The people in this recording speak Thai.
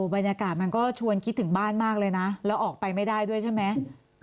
บรรยากาศมันก็ชวนคิดถึงบ้านมากเลยนะแล้วออกไปไม่ได้ด้วยใช่ไหม